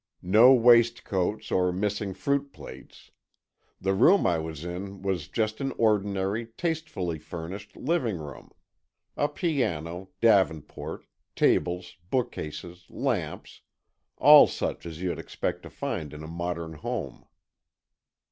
No waistcoats or missing fruit plates. The room I was in was just an ordinary, tastefully furnished living room. A piano, davenport, tables, bookcases, lamps—all such as you'd expect to find in a modern home."